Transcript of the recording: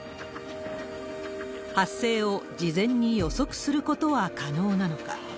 発生を事前に予測することは可能なのか。